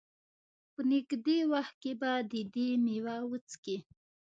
په نېږدې وخت کې به د دې مېوه وڅکي.